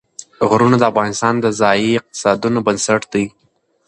غرونه د افغانستان د ځایي اقتصادونو بنسټ دی.